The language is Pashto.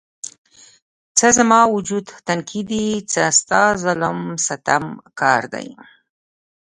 څه زما وجود تنکی دی، څه ستا ظلم ستم کار دی